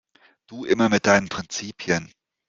Du immer mit deinen Prinzipien!